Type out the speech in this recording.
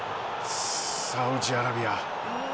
サウジアラビア。